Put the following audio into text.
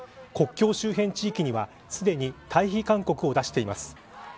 国境周辺地域にはすでに退避勧告を出しています。